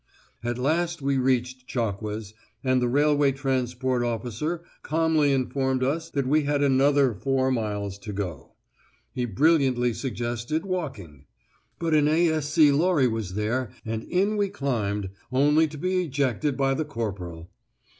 At last we reached Chocques, and the railway transport officer calmly informed us that we had another four miles to go. He brilliantly suggested walking. But an A.S.C. lorry was there, and in we climbed, only to be ejected by the corporal!